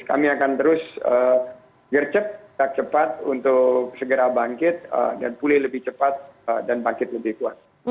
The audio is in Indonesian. kami akan terus gercep kita cepat untuk segera bangkit dan pulih lebih cepat dan bangkit lebih kuat